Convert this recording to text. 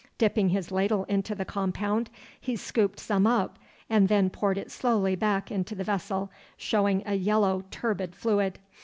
Dipping his ladle into the compound, he scooped some up, and then poured it slowly back into the vessel, showing a yellow turbid fluid.